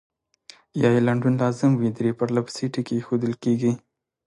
یا یې لنډون لازم وي درې پرلپسې ټکي اېښودل کیږي.